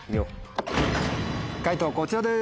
解答こちらです。